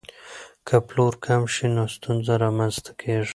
که پلور کم شي نو ستونزه رامنځته کیږي.